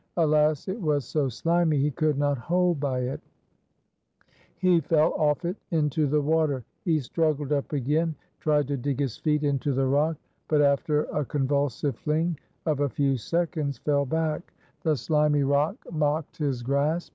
Alas! it was so slimy he could not hold by it; he fell off it into the water; he struggled up again, tried to dig his feet into the rock, but, after a convulsive fling of a few seconds, fell back the slimy rock mocked his grasp.